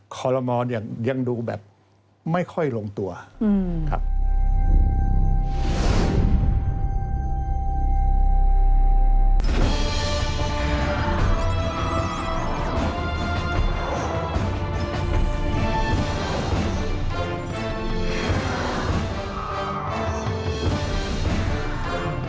คอลโลมอนยังดูแบบไม่ค่อยลงตัวครับ